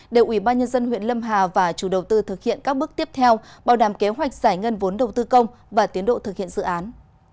để ubnd huyện lâm hà và chủ đầu tư thực hiện các bước tiếp theo bảo đảm kế hoạch giải ngân vốn đầu tư công và tiến độ thực hiện dự án